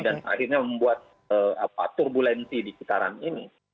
dan akhirnya membuat turbulensi di kitaran ini